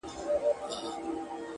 هلته د ژوند تر آخري سرحده;